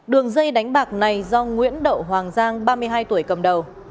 đường dây đánh bạc này do nguyễn đậu hoàng giang ba mươi hai tuổi cầm đầu